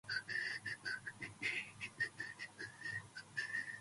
The species is sympatric with the blue rockfish in northern California and Oregon.